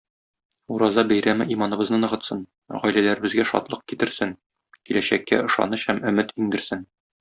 Ураза бәйрәме иманыбызны ныгытсын, гаиләләребезгә шатлык китерсен, киләчәккә ышаныч һәм өмет иңдерсен!